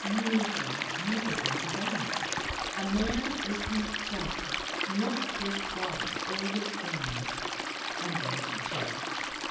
"Need you enter into that? A man is himself; not his father or his family." And then she checked.